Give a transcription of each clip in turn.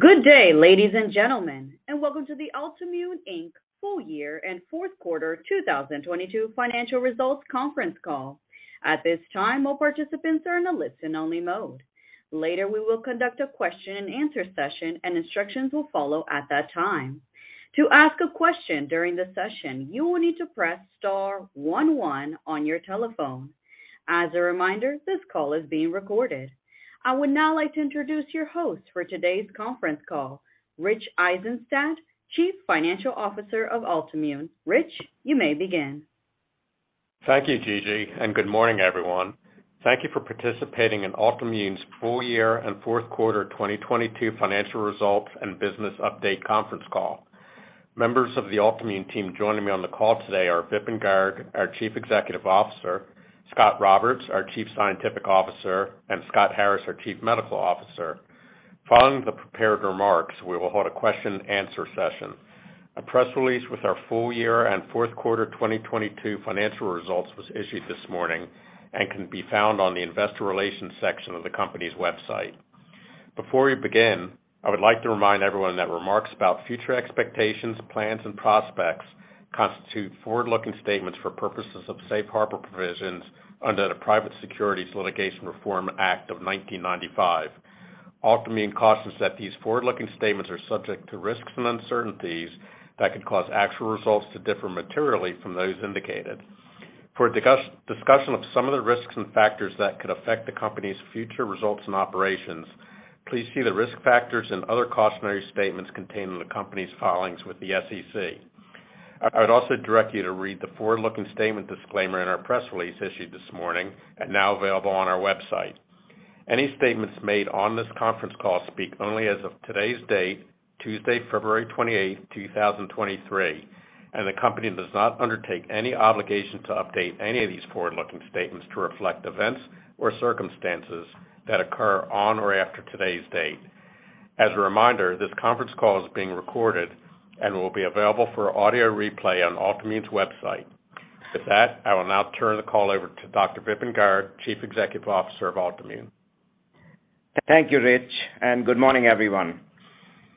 Good day, ladies and gentlemen, and welcome to the Altimmune, Inc. full year and fourth quarter 2022 financial results conference call. At this time, all participants are in a listen-only mode. Later, we will conduct a question and answer session and instructions will follow at that time. To ask a question during the session, you will need to press *11 on your telephone. As a reminder, this call is being recorded. I would now like to introduce your host for today's conference call, Richard Eisenstadt, Chief Financial Officer of Altimmune. Rich, you may begin. Thank you, Gigi. Good morning, everyone. Thank you for participating in Altimmune's full year and fourth quarter 2022 financial results and business update conference call. Members of the Altimmune team joining me on the call today are Vipin Garg, our Chief Executive Officer, Scot Roberts, our Chief Scientific Officer, and Scott Harris, our Chief Medical Officer. Following the prepared remarks, we will hold a question and answer session. A press release with our full year and fourth quarter 2022 financial results was issued this morning and can be found on the investor relations section of the company's website. Before we begin, I would like to remind everyone that remarks about future expectations, plans and prospects constitute forward-looking statements for purposes of safe harbor provisions under the Private Securities Litigation Reform Act of 1995. Altimmune cautions that these forward-looking statements are subject to risks and uncertainties that could cause actual results to differ materially from those indicated. For discussion of some of the risks and factors that could affect the company's future results and operations, please see the risk factors and other cautionary statements contained in the company's filings with the SEC. I would also direct you to read the forward-looking statement disclaimer in our press release issued this morning and now available on our website. Any statements made on this conference call speak only as of today's date, Tuesday, February twenty-eighth, two thousand twenty-three. The company does not undertake any obligation to update any of these forward-looking statements to reflect events or circumstances that occur on or after today's date. As a reminder, this conference call is being recorded and will be available for audio replay on Altimmune's website. With that, I will now turn the call over to Dr. Vipin Garg, Chief Executive Officer of Altimmune. Thank you, Rich, and good morning, everyone.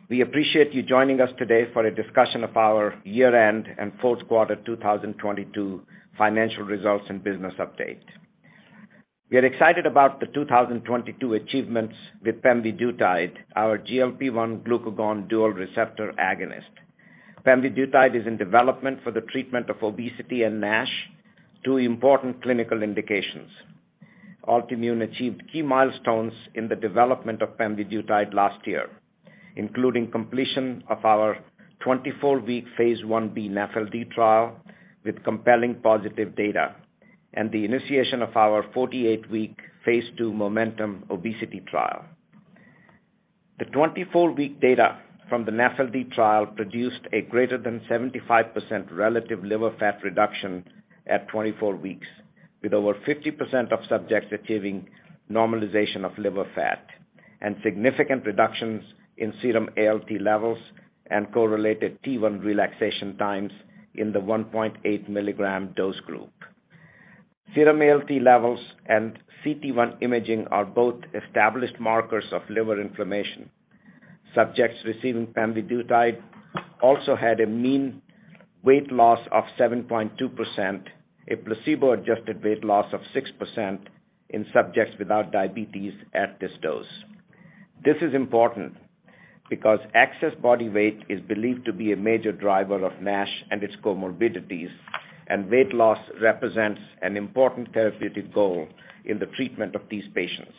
We appreciate you joining us today for a discussion of our year-end and fourth quarter 2022 financial results and business update. We are excited about the 2022 achievements with pemvidutide, our GLP-1 glucagon dual receptor agonist. Pemvidutide is in development for the treatment of obesity and NASH, two important clinical indications. Altimmune achieved key milestones in the development of pemvidutide last year, including completion of our 24-week phase 1b NAFLD trial with compelling positive data and the initiation of our 48-week phase 2 MOMENTUM obesity trial. The 24-week data from the NAFLD trial produced a greater than 75% relative liver fat reduction at 24 weeks, with over 50% of subjects achieving normalization of liver fat and significant reductions in serum ALT levels and correlated CT1 relaxation times in the 1.8 milligram dose group. Serum ALT levels and CT1 imaging are both established markers of liver inflammation. Subjects receiving pemvidutide also had a mean weight loss of 7.2%, a placebo-adjusted weight loss of 6% in subjects without diabetes at this dose. This is important because excess body weight is believed to be a major driver of NASH and its comorbidities, and weight loss represents an important therapeutic goal in the treatment of these patients.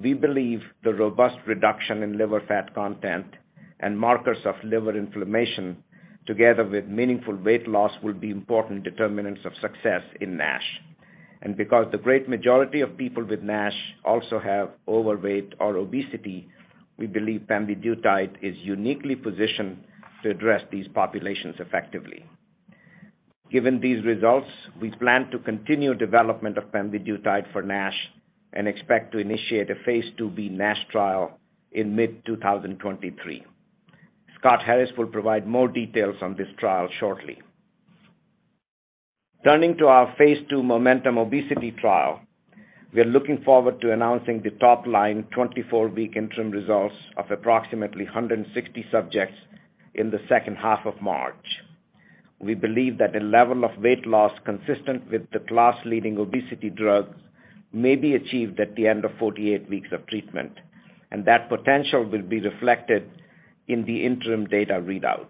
We believe the robust reduction in liver fat content and markers of liver inflammation, together with meaningful weight loss, will be important determinants of success in NASH. Because the great majority of people with NASH also have overweight or obesity, we believe pemvidutide is uniquely positioned to address these populations effectively. Given these results, we plan to continue development of pemvidutide for NASH and expect to initiate a phase 2b NASH trial in mid 2023. Scott Harris will provide more details on this trial shortly. Turning to our Phase 2 MOMENTUM obesity trial, we are looking forward to announcing the top line 24-week interim results of approximately 160 subjects in the second half of March. We believe that the level of weight loss consistent with the class-leading obesity drugs may be achieved at the end of 48 weeks of treatment, and that potential will be reflected in the interim data readout.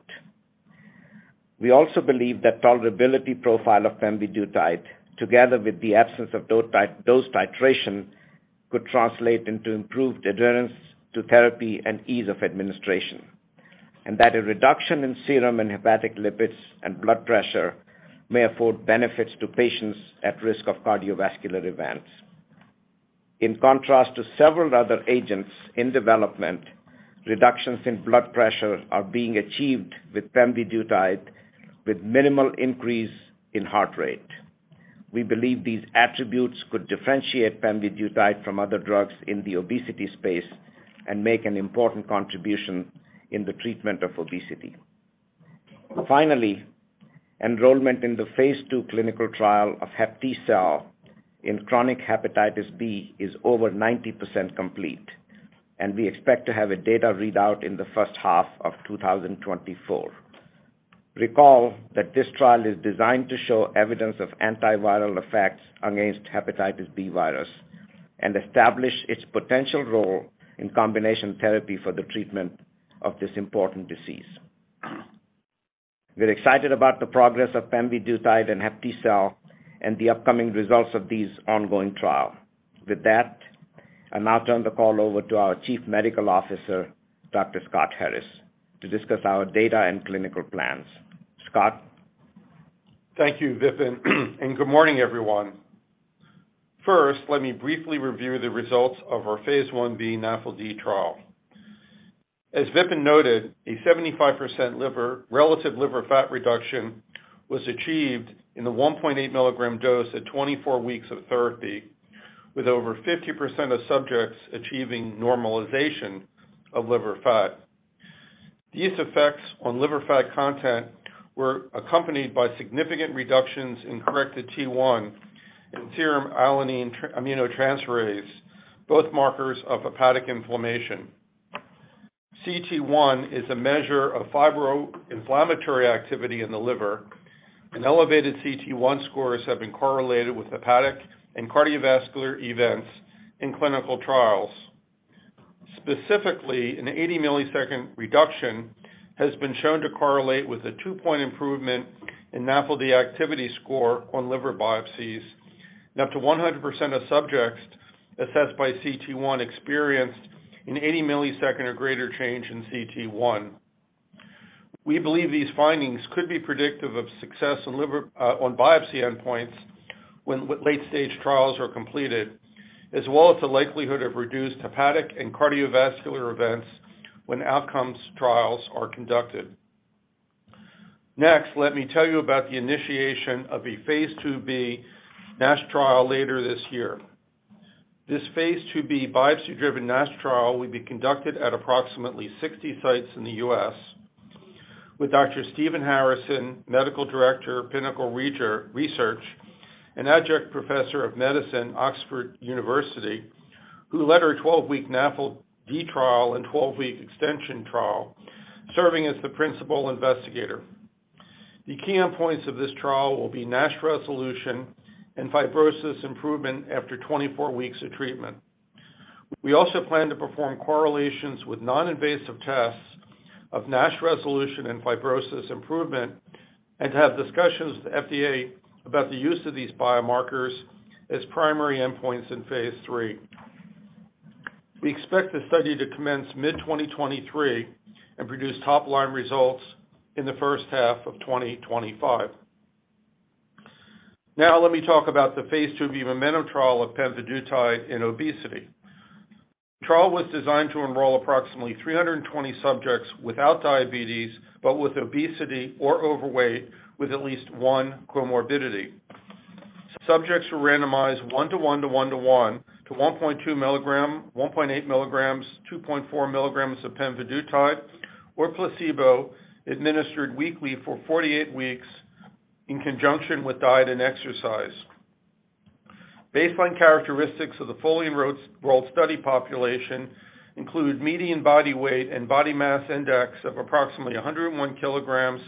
We also believe that tolerability profile of pemvidutide, together with the absence of dose titration, could translate into improved adherence to therapy and ease of administration, and that a reduction in serum and hepatic lipids and blood pressure may afford benefits to patients at risk of cardiovascular events. In contrast to several other agents in development, reductions in blood pressure are being achieved with pemvidutide with minimal increase in heart rate. We believe these attributes could differentiate pemvidutide from other drugs in the obesity space and make an important contribution in the treatment of obesity. Finally, enrollment in the Phase 2 clinical trial of HepTcell in chronic hepatitis B is over 90% complete, and we expect to have a data readout in the first half of 2024. Recall that this trial is designed to show evidence of antiviral effects against hepatitis B virus and establish its potential role in combination therapy for the treatment of this important disease. We're excited about the progress of pemvidutide and HepTcell and the upcoming results of these ongoing trials. With that, I'll now turn the call over to our Chief Medical Officer, Dr. Scott Harris, to discuss our data and clinical plans. Scott? Thank you, Vipin, and good morning, everyone. First, let me briefly review the results of our Phase 1b NAFLD trial. As Vipin noted, a 75% relative liver fat reduction was achieved in the 1.8 milligram dose at 24 weeks of therapy, with over 50% of subjects achieving normalization of liver fat. These effects on liver fat content were accompanied by significant reductions in corrected T1 and serum alanine aminotransferase, both markers of hepatic inflammation. CT1 is a measure of fibroinflammatory activity in the liver, and elevated CT1 scores have been correlated with hepatic and cardiovascular events in clinical trials. Specifically, an 80-millisecond reduction has been shown to correlate with a 2-point improvement in NAFLD activity score on liver biopsies, and up to 100% of subjects assessed by CT1 experienced an 80 millisecond or greater change in CT1. We believe these findings could be predictive of success in liver on biopsy endpoints when late-stage trials are completed, as well as the likelihood of reduced hepatic and cardiovascular events when outcomes trials are conducted. Next, let me tell you about the initiation of a Phase 2b NASH trial later this year. This Phase 2b biopsy-driven NASH trial will be conducted at approximately 60 sites in the U.S. with Dr. Stephen Harrison, Medical Director, Pinnacle Clinical Research, an Adjunct Professor of Medicine, University of Oxford, who led our 12-week NAFLD V trial and 12-week extension trial, serving as the principal investigator. The key endpoints of this trial will be NASH resolution and fibrosis improvement after 24 weeks of treatment. We also plan to perform correlations with non-invasive tests of NASH resolution and fibrosis improvement and have discussions with FDA about the use of these biomarkers as primary endpoints in Phase 3. We expect the study to commence mid-2023 and produce top-line results in the first half of 2025. Let me talk about the Phase 2b MOMENTUM trial of pemvidutide in obesity. The trial was designed to enroll approximately 320 subjects without diabetes, but with obesity or overweight, with at least one comorbidity. Subjects were randomized 1 to 1 to 1 to 1 to 1.2 milligram, 1.8 milligrams, 2.4 milligrams of pemvidutide or placebo administered weekly for 48 weeks in conjunction with diet and exercise. Baseline characteristics of the fully enrolled study population include median body weight and body mass index of approximately 101 kilograms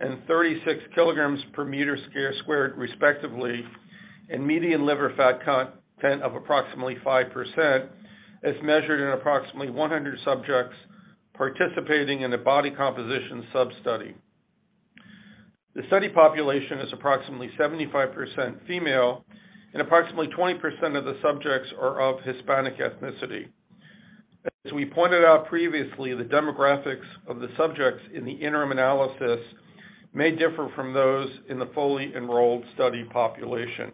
and 36 kilograms per meter squared, respectively, and median liver fat content of approximately 5% as measured in approximately 100 subjects participating in a body composition substudy. The study population is approximately 75% female, and approximately 20% of the subjects are of Hispanic ethnicity. As we pointed out previously, the demographics of the subjects in the interim analysis may differ from those in the fully enrolled study population.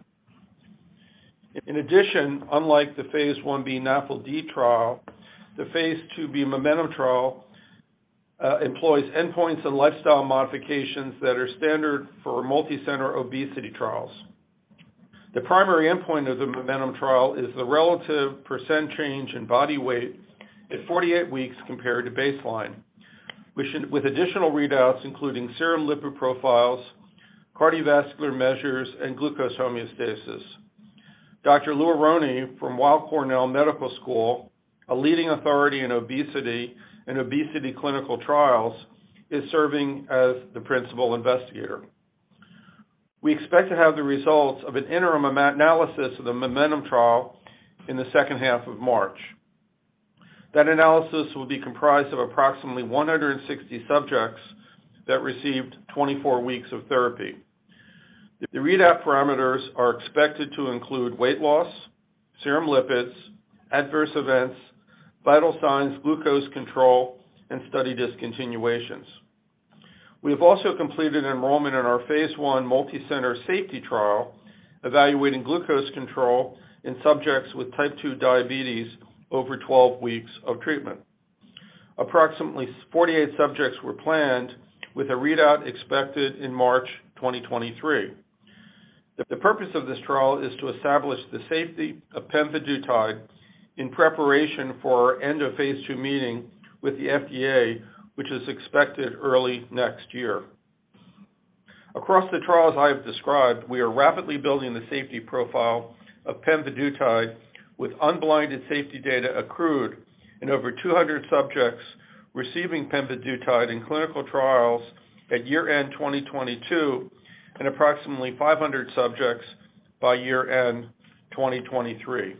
In addition, unlike the Phase 1b NAFLD trial, the Phase 2b MOMENTUM trial employs endpoints and lifestyle modifications that are standard for multi-center obesity trials. The primary endpoint of the MOMENTUM trial is the relative % change in body weight at 48 weeks compared to baseline, with additional readouts including serum lipid profiles, cardiovascular measures, and glucose homeostasis. Dr. Louis Aronne from Weill Cornell Medical College, a leading authority in obesity and obesity clinical trials, is serving as the principal investigator. We expect to have the results of an interim analysis of the MOMENTUM trial in the second half of March. That analysis will be comprised of approximately 160 subjects that received 24 weeks of therapy. The readout parameters are expected to include weight loss, serum lipids, adverse events, vital signs, glucose control, and study discontinuations. We have also completed enrollment in our Phase 1 multi-center safety trial, evaluating glucose control in subjects with type 2 diabetes over 12 weeks of treatment. Approximately 48 subjects were planned with a readout expected in March 2023. The purpose of this trial is to establish the safety of pemvidutide in preparation for our end of phase 2 meeting with the FDA, which is expected early next year. Across the trials I have described, we are rapidly building the safety profile of pemvidutide with unblinded safety data accrued in over 200 subjects receiving pemvidutide in clinical trials at year end 2022 and approximately 500 subjects by year end 2023.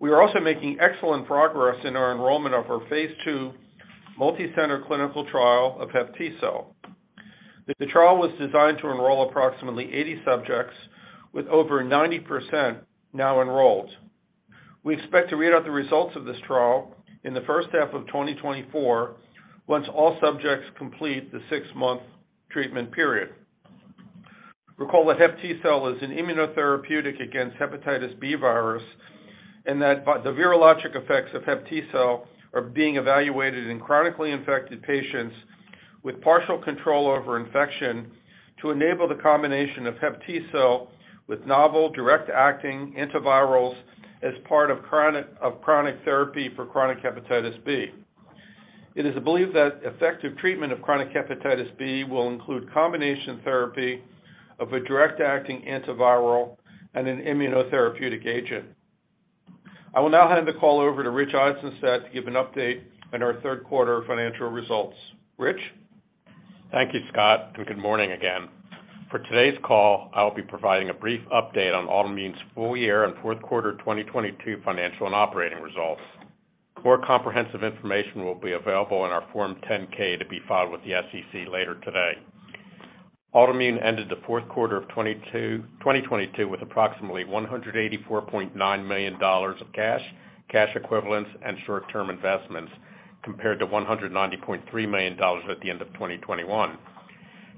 We are also making excellent progress in our enrollment of our phase 2 multicenter clinical trial of HepTcell. The trial was designed to enroll approximately 80 subjects with over 90% now enrolled. We expect to read out the results of this trial in the first half of 2024 once all subjects complete the 6-month treatment period. Recall that HepTcell is an immunotherapeutic against hepatitis B virus and that the virologic effects of HepTcell are being evaluated in chronically infected patients with partial control over infection to enable the combination of HepTcell with novel direct-acting antivirals as part of chronic therapy for chronic hepatitis B. It is believed that effective treatment of chronic hepatitis B will include combination therapy of a direct-acting antiviral and an immunotherapeutic agent. I will now hand the call over to Rich Eisenstadt to give an update on our third quarter financial results. Rich? Thank you, Scott, and good morning again. For today's call, I'll be providing a brief update on Altimmune's full year and fourth quarter 2022 financial and operating results. More comprehensive information will be available in our Form 10-K to be filed with the SEC later today. Altimmune ended the fourth quarter of 2022 with approximately $184.9 million of cash equivalents and short-term investments, compared to $190.3 million at the end of 2021.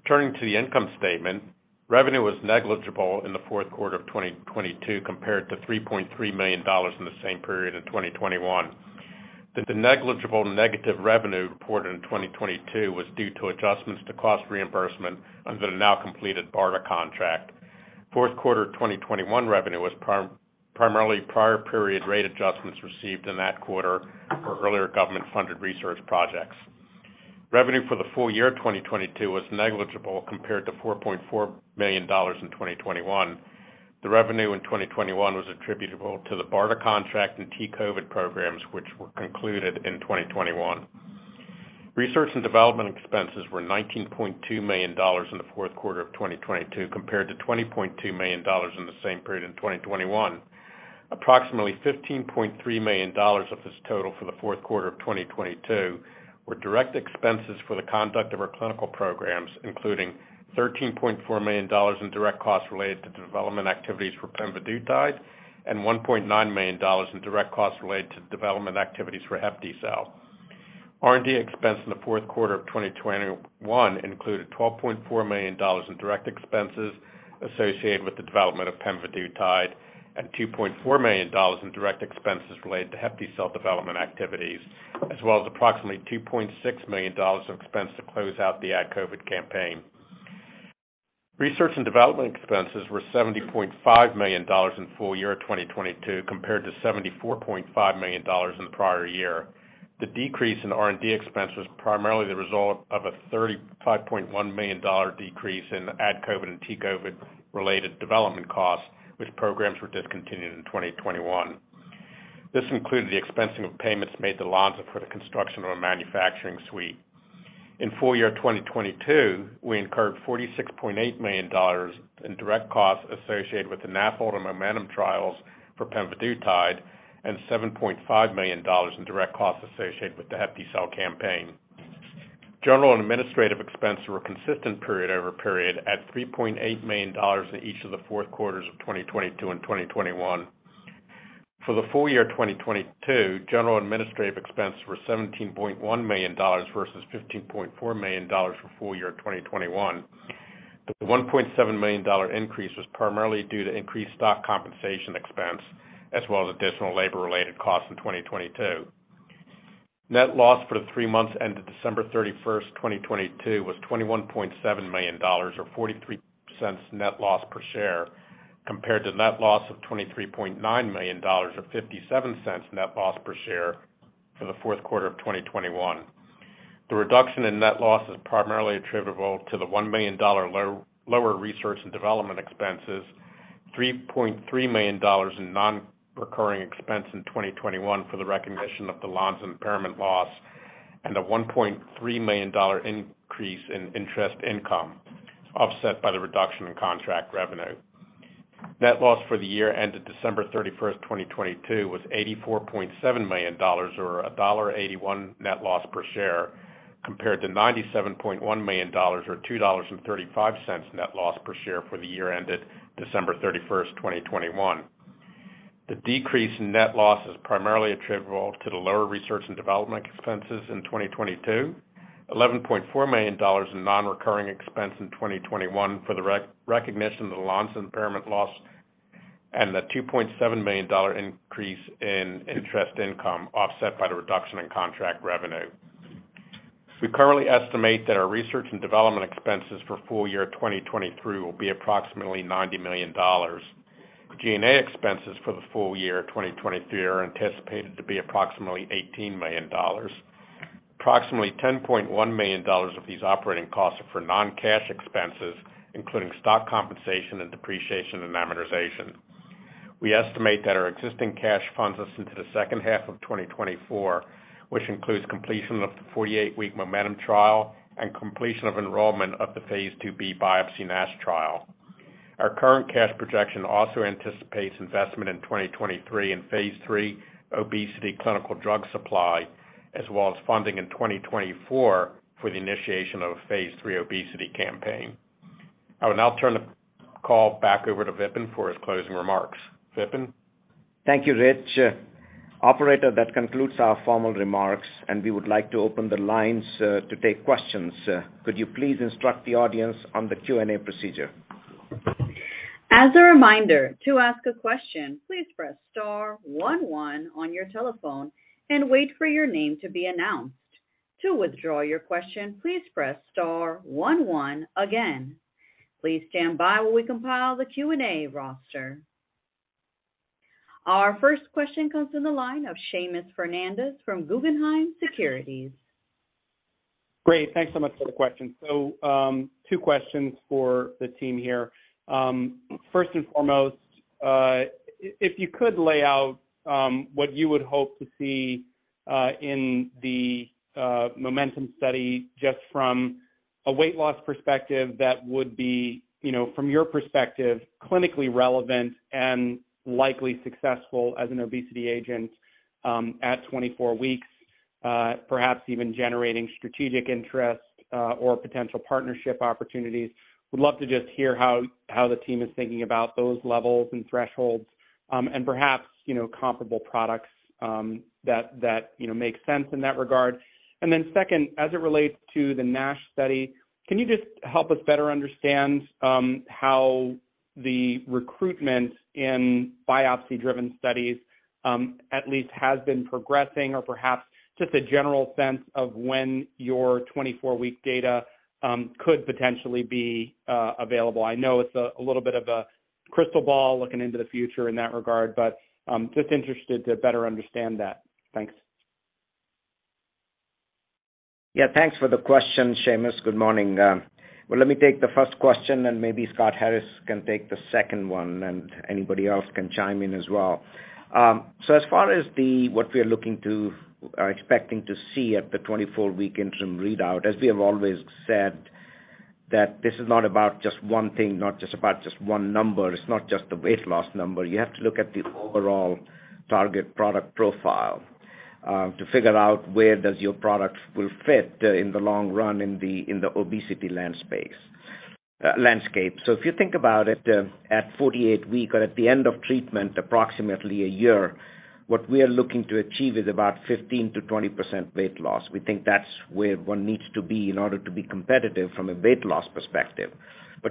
Turning to the income statement, revenue was negligible in the fourth quarter of 2022 compared to $3.3 million in the same period in 2021. The negligible negative revenue reported in 2022 was due to adjustments to cost reimbursement under the now completed BARDA contract. Fourth quarter 2021 revenue was primarily prior period rate adjustments received in that quarter for earlier government-funded research projects. Revenue for the full year 2022 was negligible compared to $4.4 million in 2021. The revenue in 2021 was attributable to the BARDA contract and T-COVID programs, which were concluded in 2021. Research and development expenses were $19.2 million in the fourth quarter of 2022, compared to $20.2 million in the same period in 2021. Approximately $15.3 million of this total for the fourth quarter of 2022 were direct expenses for the conduct of our clinical programs, including $13.4 million in direct costs related to development activities for pemvidutide and $1.9 million in direct costs related to development activities for HepTcell. R&D expense in the fourth quarter of 2021 included $12.4 million in direct expenses associated with the development of pemvidutide and $2.4 million in direct expenses related to HepTcell development activities, as well as approximately $2.6 million in expense to close out the AdCOVID campaign. Research and development expenses were $70.5 million in full year 2022 compared to $74.5 million in the prior year. The decrease in R&D expense was primarily the result of a $35.1 million decrease in AdCOVID and T-COVID related development costs, which programs were discontinued in 2021. This included the expensing of payments made to Lonza for the construction of a manufacturing suite. In full year 2022, we incurred $46.8 million in direct costs associated with the NAFLD and MOMENTUM trials for pemvidutide, and $7.5 million in direct costs associated with the HepTcell campaign. General and administrative expense were consistent period over period at $3.8 million in each of the fourth quarters of 2022 and 2021. For the full year 2022, general and administrative expense were $17.1 million versus $15.4 million for full year 2021. The $1.7 million increase was primarily due to increased stock compensation expense as well as additional labor related costs in 2022. Net loss for the three months ended December 31, 2022 was $21.7 million or $0.43 net loss per share, compared to net loss of $23.9 million or $0.57 net loss per share for the fourth quarter of 2021. The reduction in net loss is primarily attributable to the $1 million lower research and development expenses, $3.3 million in non-recurring expense in 2021 for the recognition of the Lonza impairment loss, and a $1.3 million increase in interest income, offset by the reduction in contract revenue. Net loss for the year ended December 31, 2022 was $84.7 million or $1.81 net loss per share, compared to $97.1 million or $2.35 net loss per share for the year ended December 31, 2021. The decrease in net loss is primarily attributable to the lower research and development expenses in 2022, $11.4 million in non-recurring expense in 2021 for the recognition of the Lonza impairment loss, and the $2.7 million increase in interest income offset by the reduction in contract revenue. We currently estimate that our research and development expenses for full year 2023 will be approximately $90 million. G&A expenses for the full year 2023 are anticipated to be approximately $18 million. Approximately $10.1 million of these operating costs are for non-cash expenses, including stock compensation and depreciation and amortization. We estimate that our existing cash funds us into the second half of 2024, which includes completion of the 48-week MOMENTUM trial and completion of enrollment of the phase 2b biopsy NASH trial. Our current cash projection also anticipates investment in 2023 in phase 3 obesity clinical drug supply, as well as funding in 2024 for the initiation of a phase 3 obesity campaign. I will now turn the call back over to Vipin for his closing remarks. Vipin? Thank you, Rich. Operator, that concludes our formal remarks, and we would like to open the lines, to take questions. Could you please instruct the audience on the Q&A procedure? As a reminder, to ask a question, please press*11 on your telephone and wait for your name to be announced. To withdraw your question, please press *11 again. Please stand by while we compile the Q&A roster. Our first question comes to the line of Seamus Fernandez from Guggenheim Securities. Great. Thanks so much for the question. Two questions for the team here. First and foremost, if you could lay out what you would hope to see in the MOMENTUM study just from a weight loss perspective that would be, you know, from your perspective, clinically relevant and likely successful as an obesity agent, at 24 weeks, perhaps even generating strategic interest, or potential partnership opportunities. Would love to just hear how the team is thinking about those levels and thresholds, and perhaps, you know, comparable products, that, you know, make sense in that regard. Second, as it relates to the NASH study, can you just help us better understand how the recruitment in biopsy-driven studies, at least has been progressing or perhaps just a general sense of when your 24-week data could potentially be available? I know it's a little bit of a crystal ball looking into the future in that regard, but just interested to better understand that. Thanks. Yeah, thanks for the question, Seamus. Good morning. Well, let me take the first question and maybe Scott Harris can take the second one and anybody else can chime in as well. So as far as what we are looking to or expecting to see at the 24-week interim readout, as we have always said, that this is not about just one thing, not just about just one number. It's not just the weight loss number. You have to look at the overall target product profile, to figure out where does your product will fit in the long run in the obesity landscape. So if you think about it, at 48-week or at the end of treatment, approximately a year, what we are looking to achieve is about 15%-20% weight loss. We think that's where one needs to be in order to be competitive from a weight loss perspective.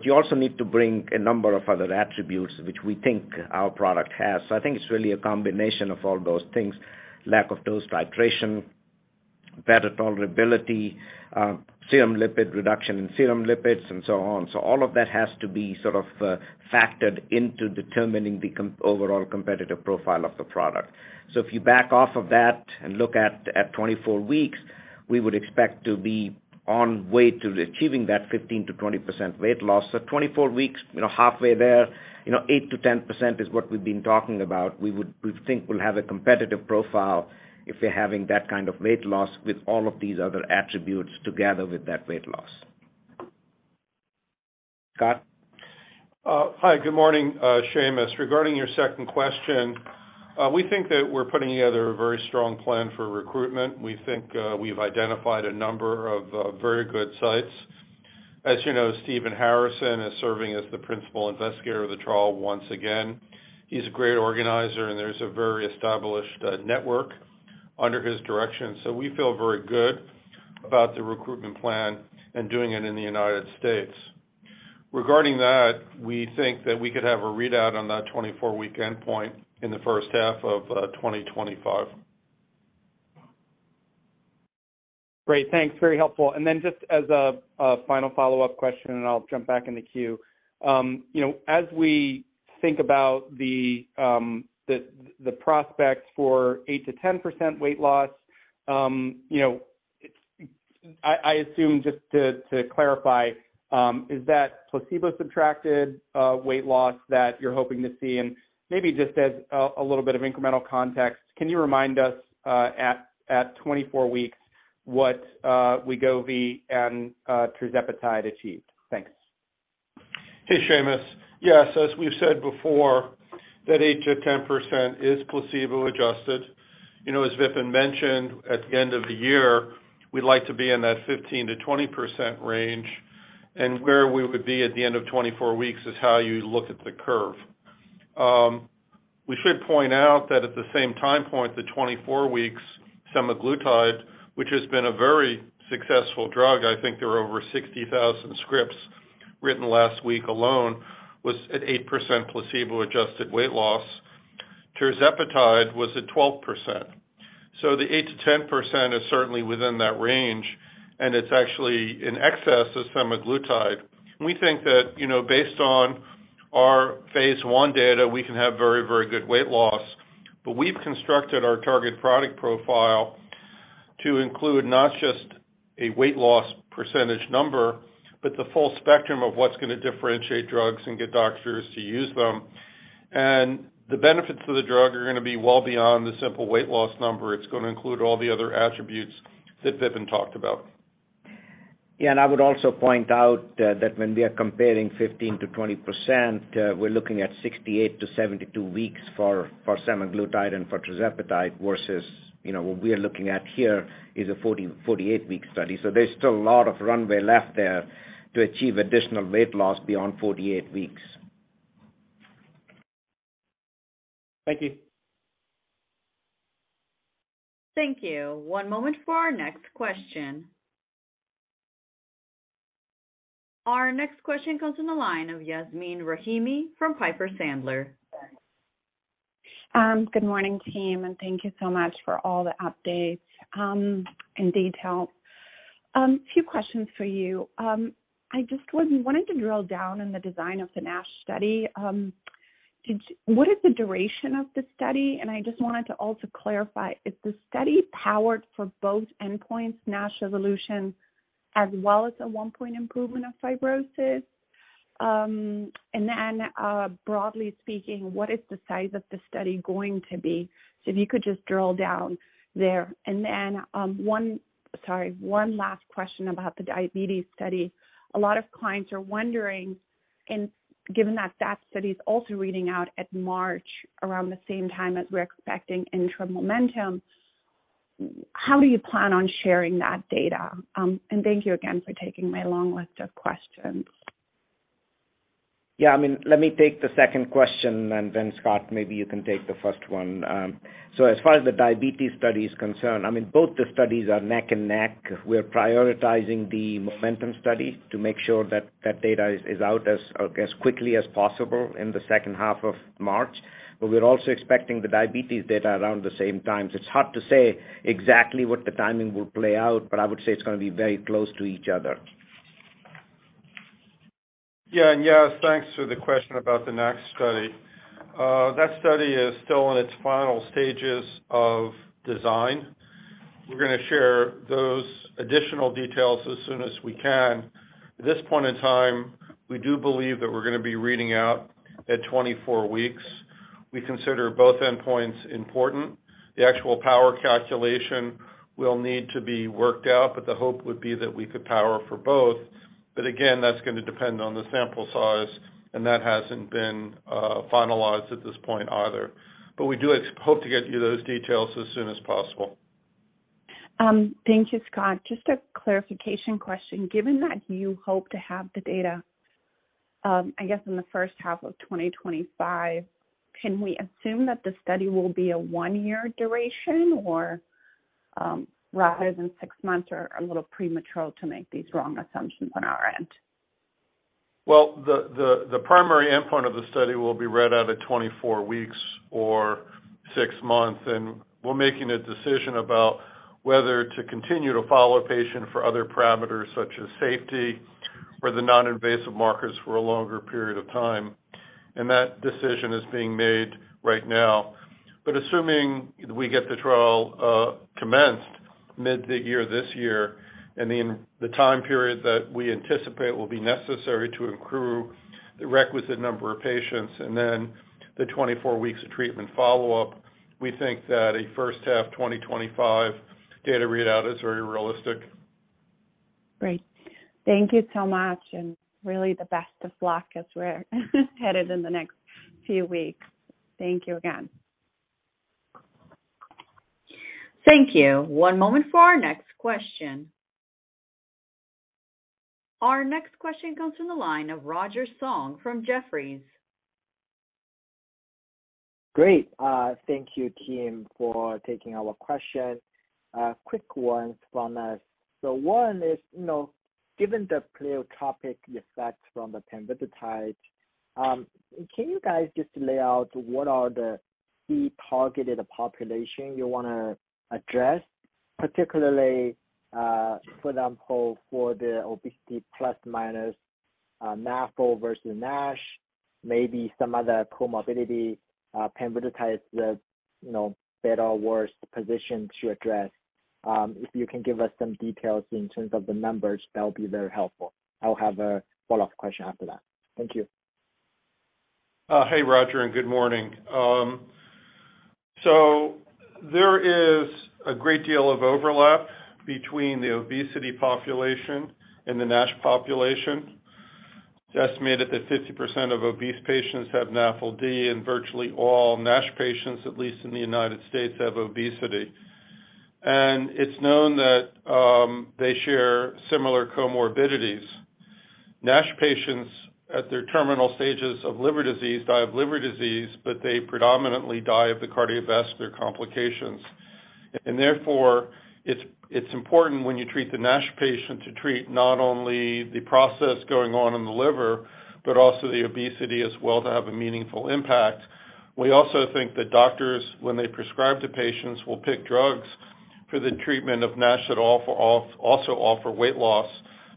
You also need to bring a number of other attributes which we think our product has. I think it's really a combination of all those things, lack of dose titration, better tolerability, serum lipid reduction in serum lipids, and so on. All of that has to be sort of factored into determining the overall competitive profile of the product. If you back off of that and look at 24 weeks, we would expect to be on way to achieving that 15%-20% weight loss. 24 weeks, you know, halfway there, you know, 8%-10% is what we've been talking about. We think we'll have a competitive profile if we're having that kind of weight loss with all of these other attributes together with that weight loss. Scott? Hi, good morning, Seamus. Regarding your second question, we think that we're putting together a very strong plan for recruitment. We think, we've identified a number of very good sites. As you know, Stephen Harrison is serving as the principal investigator of the trial once again. He's a great organizer, and there's a very established network under his direction. We feel very good about the recruitment plan and doing it in the United States. Regarding that, we think that we could have a readout on that 24-week endpoint in the first half of 2025. Great. Thanks. Very helpful. Just as a final follow-up question, and I'll jump back in the queue. you know, as we think about the prospects for 8% to 10% weight loss, you know, I assume just to clarify, is that placebo-subtracted weight loss that you're hoping to see? Maybe just as a little bit of incremental context, can you remind us at 24 weeks what Wegovy and tirzepatide achieved? Thanks. Hey, Seamus. Yes, as we've said before, that 8%-10% is placebo-adjusted. You know, as Vipin mentioned, at the end of the year, we'd like to be in that 15%-20% range, and where we would be at the end of 24 weeks is how you look at the curve. We should point out that at the same time point, the 24 weeks semaglutide, which has been a very successful drug, I think there were over 60,000 scripts written last week alone, was at 8% placebo-adjusted weight loss. Tirzepatide was at 12%. The 8%-10% is certainly within that range, and it's actually in excess of semaglutide. We think that, you know, based on our phase 1 data, we can have very, very good weight loss. We've constructed our target product profile to include not just a weight loss % number, but the full spectrum of what's going to differentiate drugs and get doctors to use them. The benefits of the drug are going to be well beyond the simple weight loss number. It's going to include all the other attributes that Vipin talked about. Yeah. I would also point out that when we are comparing 15%-20%, we're looking at 68-72 weeks for semaglutide and for tirzepatide versus, you know, what we are looking at here is a 48-week study. There's still a lot of runway left there to achieve additional weight loss beyond 48 weeks. Thank you. Thank you. One moment for our next question. Our next question comes from the line of Yasmeen Rahimi from Piper Sandler. Good morning, team, thank you so much for all the updates and details. Two questions for you. I just wanted to drill down in the design of the NASH study. What is the duration of the study? I just wanted to also clarify, is the study powered for both endpoints, NASH evolution as well as a one-point improvement of fibrosis? Then, broadly speaking, what is the size of the study going to be? If you could just drill down there. Then, one... Sorry, one last question about the diabetes study. A lot of clients are wondering, and given that that study is also reading out at March around the same time as we're expecting interim MOMENTUM, how do you plan on sharing that data? Thank you again for taking my long list of questions. Yeah, I mean, let me take the second question, and then Scott, maybe you can take the first one. As far as the diabetes study is concerned, I mean, both the studies are neck and neck. We're prioritizing the MOMENTUM study to make sure that that data is out as quickly as possible in the second half of March. We're also expecting the diabetes data around the same time. It's hard to say exactly what the timing will play out, but I would say it's going to be very close to each other. Yeah. Yas, thanks for the question about the next study. That study is still in its final stages of design. We're going to share those additional details as soon as we can. At this point in time, we do believe that we're going to be reading out at 24 weeks. We consider both endpoints important. The actual power calculation will need to be worked out, but the hope would be that we could power for both. Again, that's going to depend on the sample size, and that hasn't been finalized at this point either. We do hope to get you those details as soon as possible. Thank you, Scot. Just a clarification question. Given that you hope to have the data, I guess in the first half of 2025, can we assume that the study will be a 1-year duration or, rather than 6 months or a little premature to make these wrong assumptions on our end? Well, the primary endpoint of the study will be read out at 24 weeks or 6 months, and we're making a decision about whether to continue to follow a patient for other parameters such as safety or the non-invasive markers for a longer period of time. That decision is being made right now. Assuming we get the trial, commenced mid the year this year and the time period that we anticipate will be necessary to accrue the requisite number of patients and then the 24 weeks of treatment follow-up, we think that a first half 2025 data readout is very realistic. Great. Thank you so much and really the best of luck as we're headed in the next few weeks. Thank you again. Thank you. One moment for our next question. Our next question comes from the line of Roger Song from Jefferies. Great. Thank you, team, for taking our question. Quick ones from us. One is, you know, given the pleiotropic effects from the pemvidutide, can you guys just lay out what are the key targeted population you wanna address, particularly, for example, for the obesity plus minus, NAFL versus NASH, maybe some other comorbidity, pemvidutide, the, you know, better or worse position to address? If you can give us some details in terms of the numbers, that'll be very helpful. I'll have a follow-up question after that. Thank you. Hey, Roger, good morning. There is a great deal of overlap between the obesity population and the NASH population. It's estimated that 50% of obese patients have NAFLD, virtually all NASH patients, at least in the United States, have obesity. It's known that they share similar comorbidities. NASH patients at their terminal stages of liver disease die of liver disease, they predominantly die of the cardiovascular complications. Therefore, it's important when you treat the NASH patient to treat not only the process going on in the liver, also the obesity as well to have a meaningful impact. We also think that doctors, when they prescribe to patients, will pick drugs for the treatment of NASH that also offer weight loss,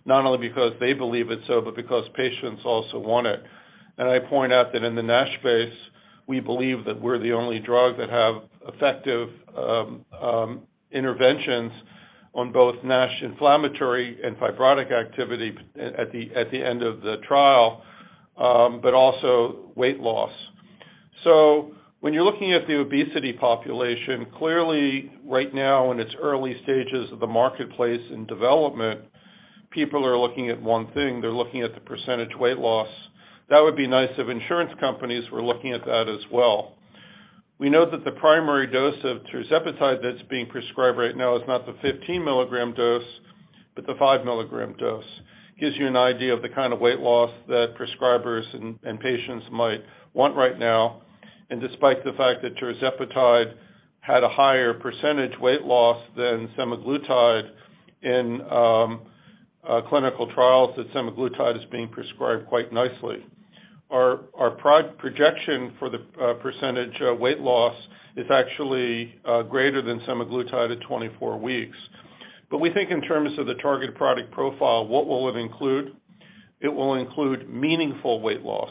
not only because they believe it so, because patients also want it. I point out that in the NASH space, we believe that we're the only drug that have effective interventions on both NASH inflammatory and fibrotic activity at the end of the trial, but also weight loss. When you're looking at the obesity population, clearly right now in its early stages of the marketplace and development, people are looking at 1 thing. They're looking at the % weight loss. That would be nice if insurance companies were looking at that as well. We know that the primary dose of tirzepatide that's being prescribed right now is not the 15 milligram dose, but the five milligram dose. Gives you an idea of the kind of weight loss that prescribers and patients might want right now. Despite the fact that tirzepatide had a higher % weight loss than semaglutide in clinical trials, that semaglutide is being prescribed quite nicely. Our projection for the % of weight loss is actually greater than semaglutide at 24 weeks. We think in terms of the target product profile, what will it include? It will include meaningful weight loss.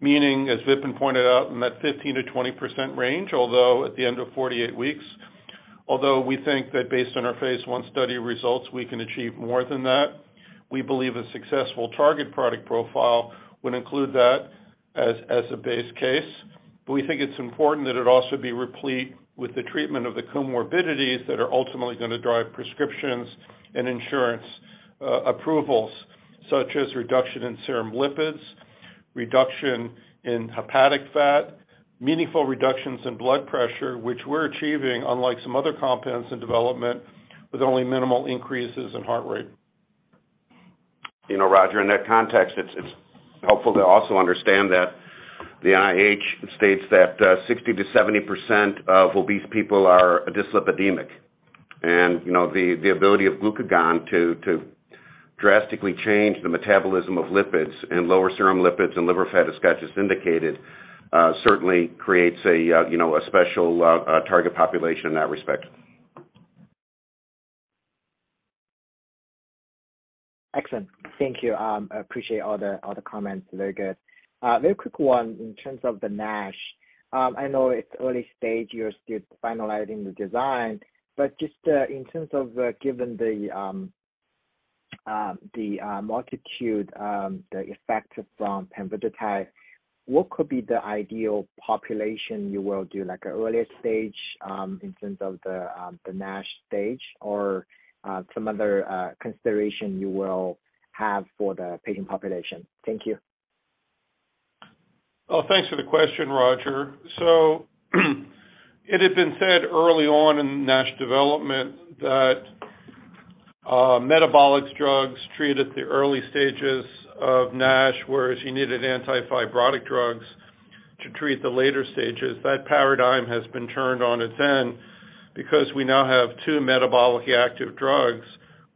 Meaning, as Vipin pointed out, in that 15%-20% range, although at the end of 48 weeks. Although we think that based on our phase 1 study results, we can achieve more than that. We believe a successful target product profile would include that as a base case. We think it's important that it also be replete with the treatment of the comorbidities that are ultimately gonna drive prescriptions and insurance approvals, such as reduction in serum lipids, reduction in hepatic fat, meaningful reductions in blood pressure, which we're achieving unlike some other compounds in development, with only minimal increases in heart rate. You know, Roger, in that context, it's helpful to also understand that the NIH states that 60%-70% of obese people are dyslipidemic. You know, the ability of glucagon to drastically change the metabolism of lipids and lower serum lipids and liver fat, as Scott just indicated, certainly creates a, you know, a special target population in that respect. Excellent. Thank you. I appreciate all the comments. Very good. Very quick one in terms of the NASH. I know it's early stage, you're still finalizing the design, but just in terms of given the multitude, the effect from pemvidutide, what could be the ideal population you will do, like a earlier stage in terms of the NASH stage or some other consideration you will have for the patient population? Thank you. Thanks for the question, Roger. It had been said early on in NASH development that metabolic drugs treat at the early stages of NASH, whereas you needed anti-fibrotic drugs to treat the later stages. That paradigm has been turned on its end because we now have two metabolically active drugs,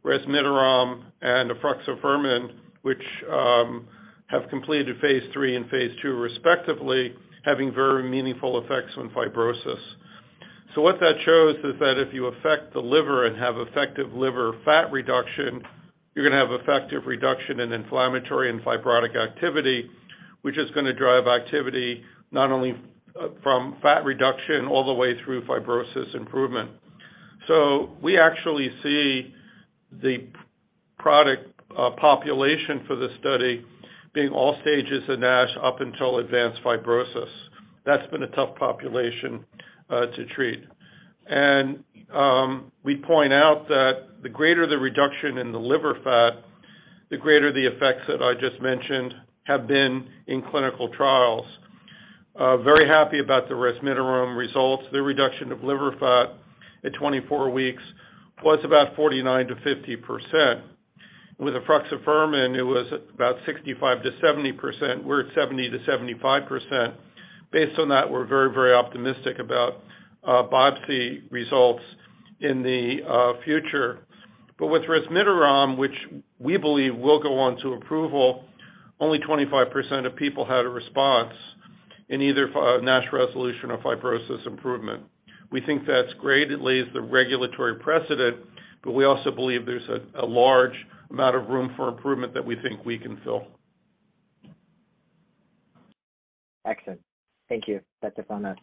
resmetirom and efruxifermin, which have completed phase 3 and phase 2 respectively, having very meaningful effects on fibrosis. What that shows is that if you affect the liver and have effective liver fat reduction, you're gonna have effective reduction in inflammatory and fibrotic activity, which is gonna drive activity not only from fat reduction all the way through fibrosis improvement. We actually see the product population for the study being all stages of NASH up until advanced fibrosis. That's been a tough population to treat. We point out that the greater the reduction in the liver fat, the greater the effects that I just mentioned have been in clinical trials. Very happy about the resmetirom results. The reduction of liver fat at 24 weeks was about 49%-50%. With efruxifermin, it was about 65%-70%. We're at 70%-75%. Based on that, we're very, very optimistic about biopsy results in the future. With resmetirom, which we believe will go on to approval, only 25% of people had a response in either NASH resolution or fibrosis improvement. We think that's great. It lays the regulatory precedent, but we also believe there's a large amount of room for improvement that we think we can fill. Excellent. Thank you. That's all for now.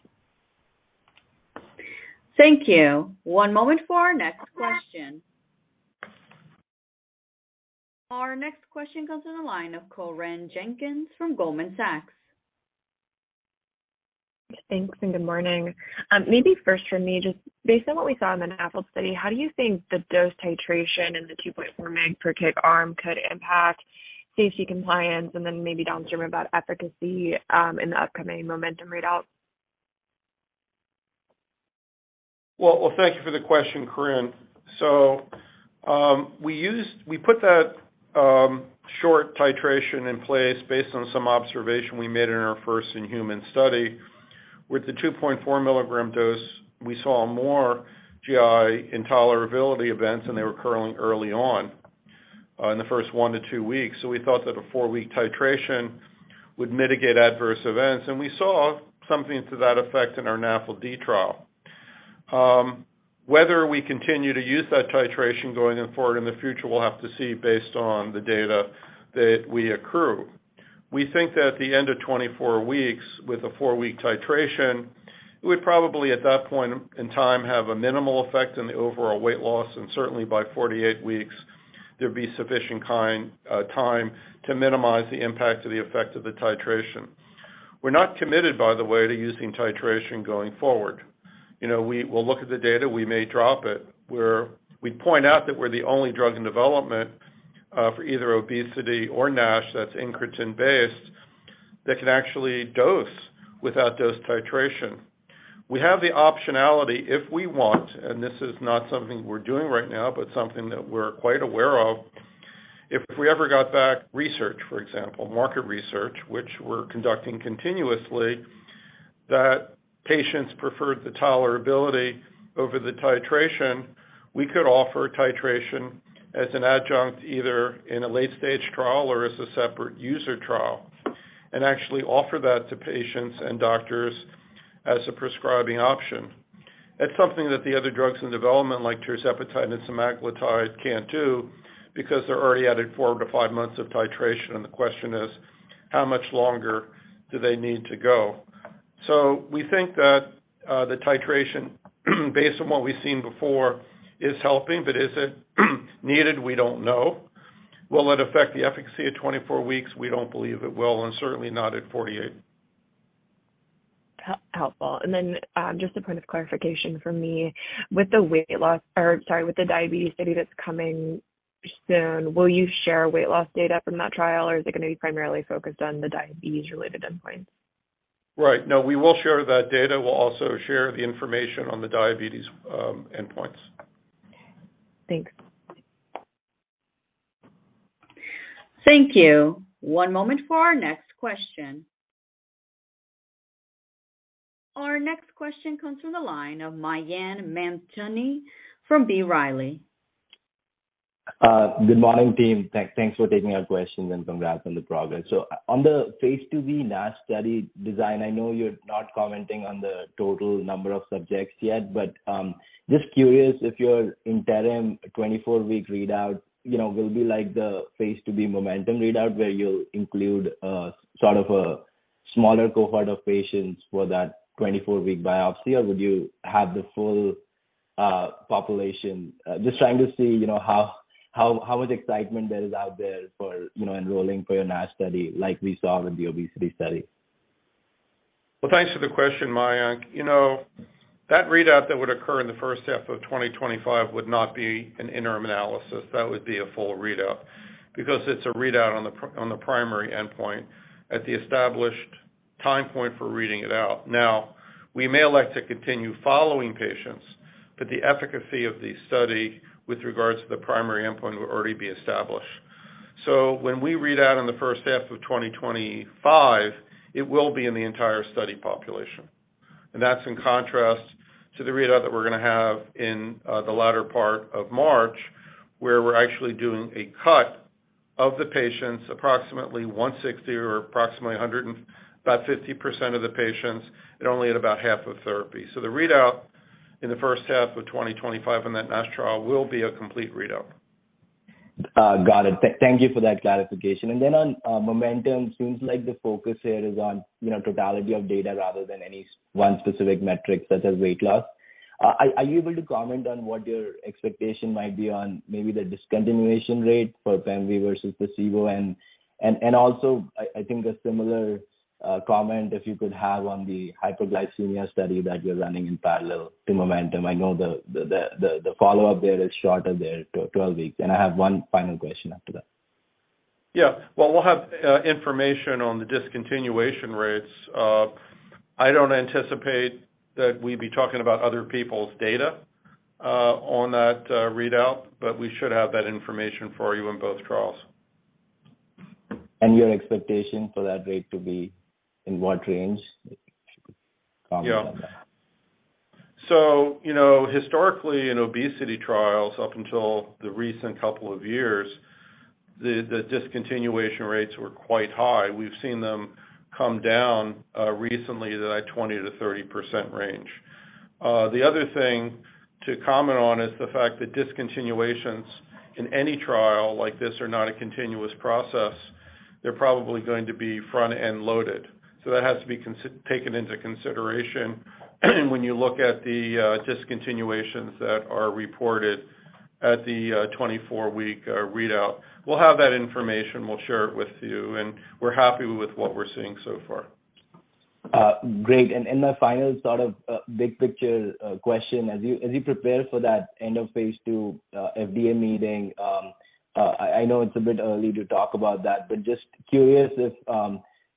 Thank you. One moment for our next question. Our next question comes from the line of Corinne Jenkins from Goldman Sachs. Thanks, good morning. Maybe first for me, just based on what we saw in the NAFL study, how do you think the dose titration in the 2.4 mg/kg arm could impact safety compliance? Maybe downstream about efficacy in the upcoming MOMENTUM readout. Well, thank you for the question, Corinne. We put that Short titration in place based on some observation we made in our first in-human study. With the 2.4 milligram dose, we saw more GI intolerability events, and they were occurring early on, in the first 1 to 2 weeks. We thought that a 4-week titration would mitigate adverse events, and we saw something to that effect in our NAFLD trial. Whether we continue to use that titration going forward in the future, we'll have to see based on the data that we accrue. We think that at the end of 24 weeks with a 4-week titration, it would probably, at that point in time, have a minimal effect on the overall weight loss, and certainly by 48 weeks, there'd be sufficient kind, time to minimize the impact of the effect of the titration. We're not committed, by the way, to using titration going forward. You know, we'll look at the data, we may drop it. We point out that we're the only drug in development, for either obesity or NASH that's incretin based that can actually dose without dose titration. We have the optionality if we want, and this is not something we're doing right now, but something that we're quite aware of. If we ever got back research, for example, market research, which we're conducting continuously, that patients preferred the tolerability over the titration, we could offer titration as an adjunct, either in a late-stage trial or as a separate user trial, and actually offer that to patients and doctors as a prescribing option. That's something that the other drugs in development like tirzepatide and semaglutide can't do because they're already added 4-5 months of titration, and the question is, how much longer do they need to go? We think that the titration based on what we've seen before is helping, but is it needed? We don't know. Will it affect the efficacy at 24 weeks? We don't believe it will, and certainly not at 48. Helpful. Just a point of clarification for me. With the weight loss or, sorry, with the diabetes study that's coming soon, will you share weight loss data from that trial, or is it gonna be primarily focused on the diabetes-related endpoints? No, we will share that data. We'll also share the information on the diabetes endpoints. Okay. Thanks. Thank you. One moment for our next question. Our next question comes from the line of Mayank Mamtani from B. Riley. Good morning, team. Thanks for taking our questions and congrats on the progress. On the Phase 2b NASH study design, I know you're not commenting on the total number of subjects yet, but just curious if your interim 24-week readout, you know, will be like the Phase 2b MOMENTUM readout, where you'll include sort of a smaller cohort of patients for that 24-week biopsy, or would you have the full population? Just trying to see, you know, how much excitement there is out there for, you know, enrolling for your NASH study like we saw in the obesity study. Thanks for the question, Mayank. You know, that readout that would occur in the first half of 2025 would not be an interim analysis. That would be a full readout because it's a readout on the primary endpoint at the established time point for reading it out. We may elect to continue following patients, but the efficacy of the study with regards to the primary endpoint would already be established. When we read out in the first half of 2025, it will be in the entire study population. That's in contrast to the readout that we're gonna have in the latter part of March, where we're actually doing a cut of the patients approximately 160 or approximately 100 and about 50% of the patients and only at about half of therapy. The readout in the first half of 2025 on that NASH trial will be a complete readout. Got it. Thank you for that clarification. Then on MOMENTUM, seems like the focus here is on, you know, totality of data rather than any one specific metric such as weight loss. Are you able to comment on what your expectation might be on maybe the discontinuation rate for pemvi versus placebo? Also I think a similar comment if you could have on the hyperglycemia study that you're running in parallel to MOMENTUM. I know the follow-up there is shorter there, 12 weeks. I have one final question after that. Yeah. Well, we'll have information on the discontinuation rates. I don't anticipate that we'd be talking about other people's data on that readout, but we should have that information for you in both trials. Your expectation for that rate to be in what range, if you could comment on that? You know, historically in obesity trials, up until the recent couple of years, the discontinuation rates were quite high. We've seen them come down recently to that 20%-30% range. The other thing to comment on is the fact that discontinuations in any trial like this are not a continuous process. They're probably going to be front-end loaded. That has to be taken into consideration when you look at the discontinuations that are reported at the 24-week readout. We'll have that information. We'll share it with you, and we're happy with what we're seeing so far. Great. My final sort of, big picture, question, as you, as you prepare for that end of phase 2, FDA meeting, I know it's a bit early to talk about that, but just curious if,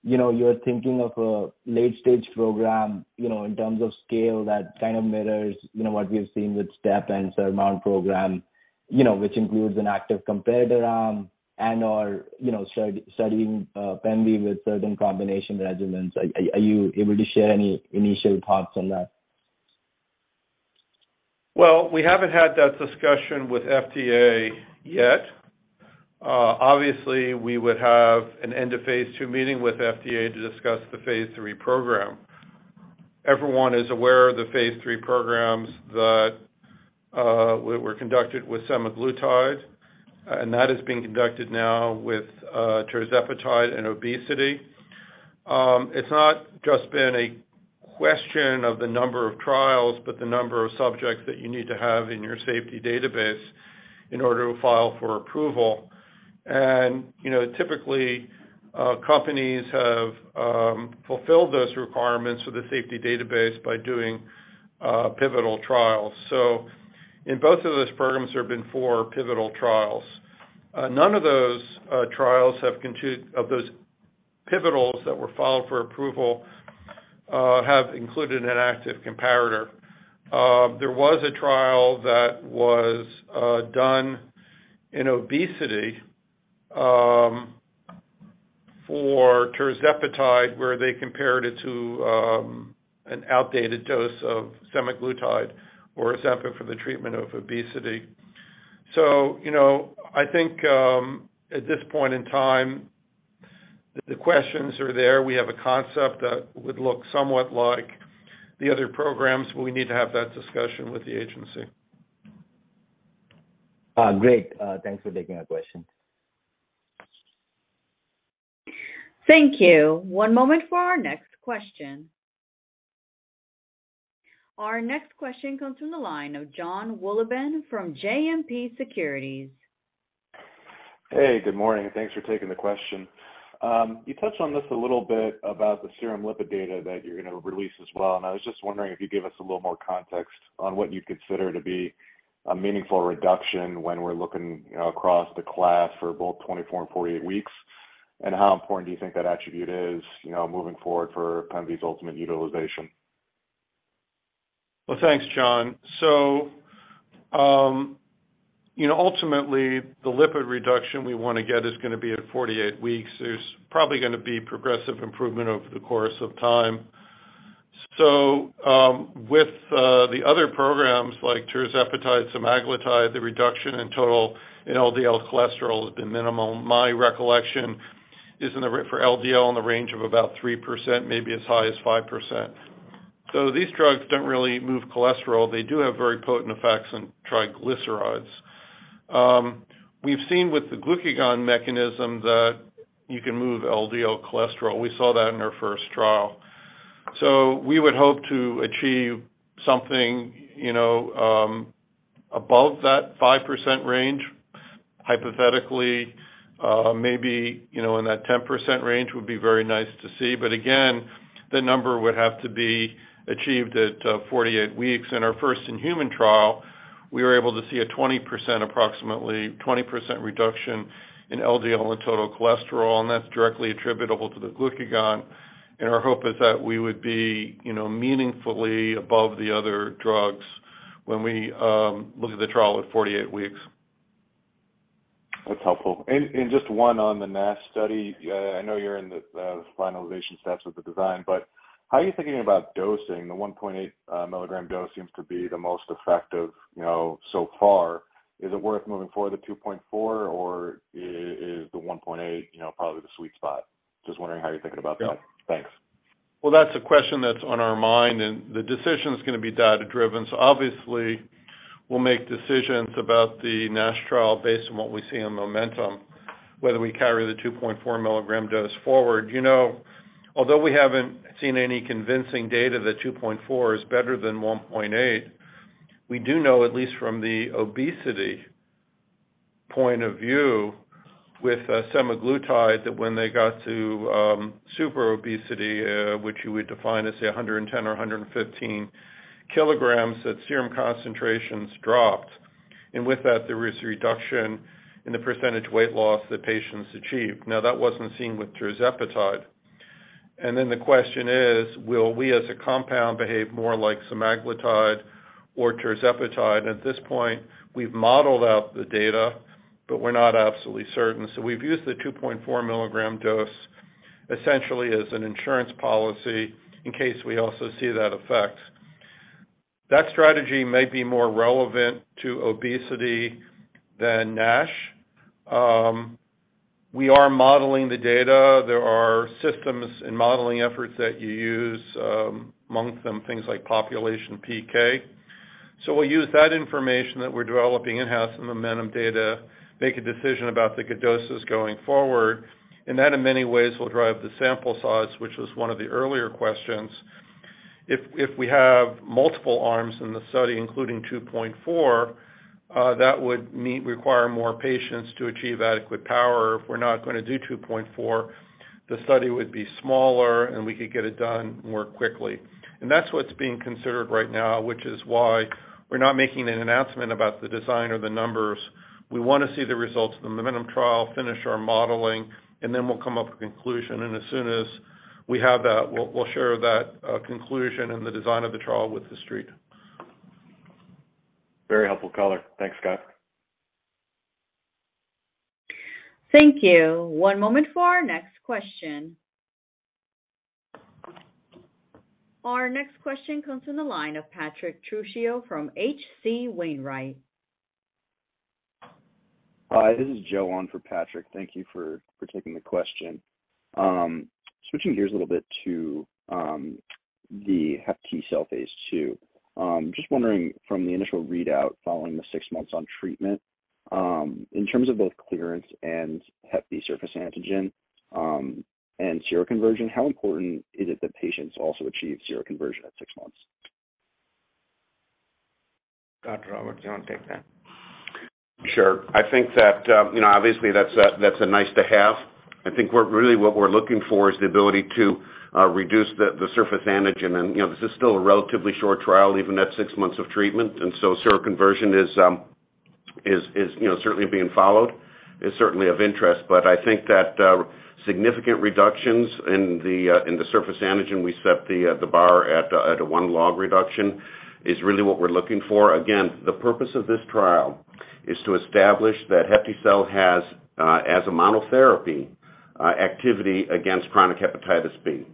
you know, you're thinking of a late-stage program, you know, in terms of scale that kind of mirrors, you know, what we've seen with STEP and SURMOUNT program? You know, which includes an active comparator arm and or, you know, studying, pemvi with certain combination regimens. Are you able to share any initial thoughts on that? Well, we haven't had that discussion with FDA yet. Obviously, we would have an end of phase two meeting with FDA to discuss the phase three program. Everyone is aware of the phase three programs that were conducted with semaglutide, and that is being conducted now with tirzepatide and obesity. It's not just been a question of the number of trials, but the number of subjects that you need to have in your safety database in order to file for approval. You know, typically, companies have fulfilled those requirements for the safety database by doing pivotal trials. So in both of those programs, there have been four pivotal trials. None of those pivotals that were filed for approval have included an active comparator. There was a trial that was done in obesity for tirzepatide, where they compared it to an outdated dose of semaglutide or Ozempic for the treatment of obesity. You know, I think, at this point in time, the questions are there. We have a concept that would look somewhat like the other programs. We need to have that discussion with the agency. Great. Thanks for taking our question. Thank you. One moment for our next question. Our next question comes from the line of Jonathan Wolleben from JMP Securities. Hey, good morning. Thanks for taking the question. You touched on this a little bit about the serum lipid data that you're gonna release as well, and I was just wondering if you could give us a little more context on what you consider to be a meaningful reduction when we're looking, you know, across the class for both 24 and 48 weeks? How important do you think that attribute is, you know, moving forward for pemvi's ultimate utilization? Thanks, John. You know, ultimately the lipid reduction we wanna get is gonna be at 48 weeks. There's probably gonna be progressive improvement over the course of time. With the other programs like tirzepatide, semaglutide, the reduction in total and LDL cholesterol has been minimal. My recollection is in the for LDL in the range of about 3%, maybe as high as 5%. These drugs don't really move cholesterol. They do have very potent effects on triglycerides. We've seen with the glucagon mechanism that you can move LDL cholesterol. We saw that in our first trial. We would hope to achieve something, you know, above that 5% range, hypothetically. Maybe, you know, in that 10% range would be very nice to see. Again, the number would have to be achieved at 48 weeks. In our first in-human trial, we were able to see a 20%, approximately 20% reduction in LDL and total cholesterol, and that's directly attributable to the glucagon. Our hope is that we would be, you know, meaningfully above the other drugs when we look at the trial at 48 weeks. That's helpful. Just one on the NASH study. I know you're in the finalization steps of the design, but how are you thinking about dosing? The 1.8 milligram dose seems to be the most effective, you know, so far. Is it worth moving forward to 2.4, or is the 1.8, you know, probably the sweet spot? Just wondering how you're thinking about that. Yeah. Thanks. That's a question that's on our mind, the decision is gonna be data-driven. Obviously we'll make decisions about the NASH trial based on what we see in MOMENTUM, whether we carry the 2.4 milligram dose forward. You know, although we haven't seen any convincing data that 2.4 is better than 1.8, we do know at least from the obesity point of view with semaglutide, that when they got to super obesity, which we define as, say, 110 or 115 kilograms, that serum concentrations dropped. With that there was a reduction in the % weight loss that patients achieved. That wasn't seen with tirzepatide. The question is, will we as a compound behave more like semaglutide or tirzepatide? At this point, we've modeled out the data, we're not absolutely certain. We've used the 2.4 mg dose essentially as an insurance policy in case we also see that effect. That strategy may be more relevant to obesity than NASH. We are modeling the data. There are systems and modeling efforts that you use, amongst them, things like population PK. We'll use that information that we're developing in half some MOMENTUM data, make a decision about the doses going forward, and that in many ways will drive the sample size, which was one of the earlier questions. If we have multiple arms in the study, including 2.4, that would require more patients to achieve adequate power. If we're not gonna do 2.4, the study would be smaller, and we could get it done more quickly. That's what's being considered right now, which is why we're not making an announcement about the design or the numbers. We wanna see the results of the MOMENTUM trial, finish our modeling, and then we'll come up with conclusion. As soon as we have that, we'll share that conclusion and the design of the trial with the street. Very helpful color. Thanks, Scott. Thank you. One moment for our next question. Our next question comes from the line of Patrick Trucchio from H.C. Wainwright. Hi, this is Joe on for Patrick. Thank you for taking the question. Switching gears a little bit to the HepTcell phase 2. Just wondering from the initial readout following the 6 months on treatment, in terms of both clearance and Hepatitis B surface antigen, and seroconversion, how important is it that patients also achieve seroconversion at 6 months? Dr. Roberts, you wanna take that? Sure. I think that, you know, obviously that's a, that's a nice-to-have. I think really what we're looking for is the ability to reduce the surface antigen and, you know, this is still a relatively short trial, even at six months of treatment. Seroconversion is, you know, certainly being followed, is certainly of interest. I think that significant reductions in the surface antigen, we set the bar at a one log reduction, is really what we're looking for. The purpose of this trial is to establish that HepTcell has as a monotherapy activity against chronic hepatitis B.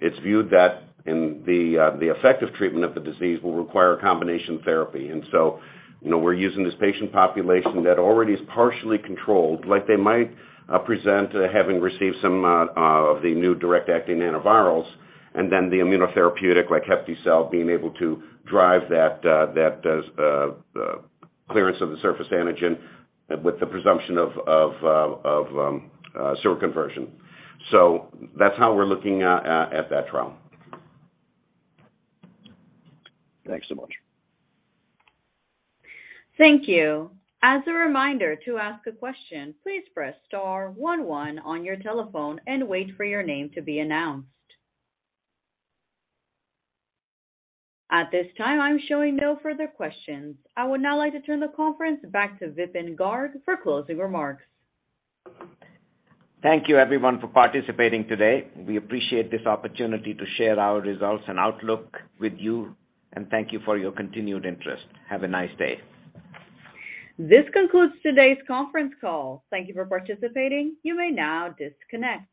It's viewed that in the effective treatment of the disease will require a combination therapy. You know, we're using this patient population that already is partially controlled, like they might present having received some of the new direct acting antivirals, and then the immunotherapeutic, like HepTcell, being able to drive that clearance of the surface antigen with the presumption of seroconversion. That's how we're looking at that trial. Thanks so much. Thank you. As a reminder to ask a question, please press *11 on your telephone and wait for your name to be announced. At this time, I'm showing no further questions. I would now like to turn the conference back to Vipin Garg for closing remarks. Thank you everyone for participating today. We appreciate this opportunity to share our results and outlook with you. Thank you for your continued interest. Have a nice day. This concludes today's conference call. Thank you for participating. You may now disconnect.